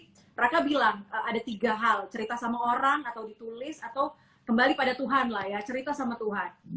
tadi raka bilang ada tiga hal cerita sama orang atau ditulis atau kembali pada tuhan lah ya cerita sama tuhan